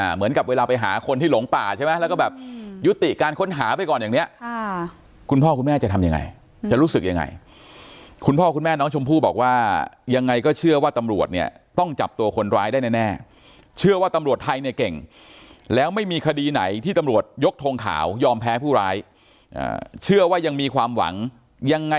เหมือนกับเวลาไปหาคนที่หลงป่าใช่ไหมแล้วก็แบบยุติการค้นหาไปก่อนอย่างนี้คุณพ่อคุณแม่จะทำยังไงจะรู้สึกยังไงคุณพ่อคุณแม่น้องชมพู่บอกว่ายังไงก็เชื่อว่าตำรวจเนี่ยต้องจับตัวคนร้ายได้แน่เชื่อว่าตำรวจไทยเนี่ยเก่งแล้วไม่มีคดีไหนที่ตำรวจยกทงขาวยอมแพ้ผู้ร้ายเชื่อว่ายังมีความหวังยังไง